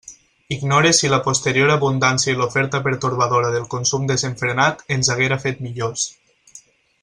Ignore si la posterior abundància i l'oferta pertorbadora del consum desenfrenat ens haguera fet millors.